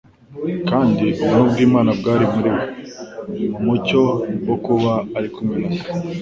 Kandi ubuntu bw'Imana bwari muri we." Mu mucyo wo kuba ari kumwe na Se,